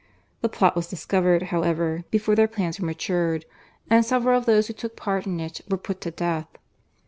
The plot was discovered, however, before their plans were matured, and several of those who took part in it were put to death.